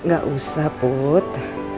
gak usah put